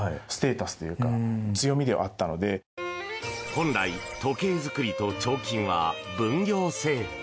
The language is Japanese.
本来、時計作りと彫金は分業制。